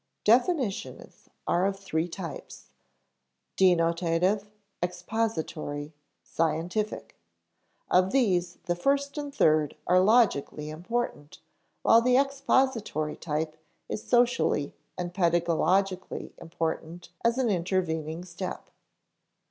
Definitions are of three types, denotative, expository, scientific. Of these, the first and third are logically important, while the expository type is socially and pedagogically important as an intervening step.